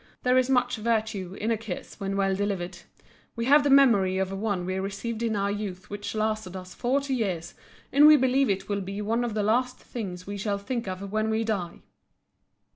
There is much virtue in a kiss when well delivered. We have the memory of one we received in our youth which lasted us forty years, and we believe it will be one of the last things we shall think of when we die."